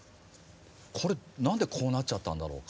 これ何でこうなっちゃったんだろうか？